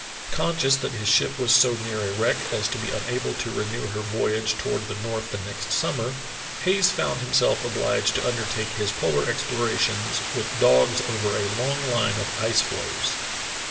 Con scious that his ship was so near a wreck as to be unable to renew her voyage toward the north the next summer, Hayes found himself obliged to undertake his polar explorations with dogs over a long line of ice floes.